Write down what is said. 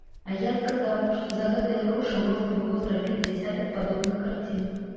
А я адказаў, што за гэтыя грошы можна было зрабіць дзясятак падобных карцін.